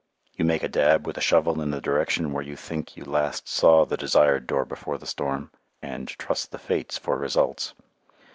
You make a dab with a shovel in the direction where you think you last saw the desired door before the storm, and trust the fates for results.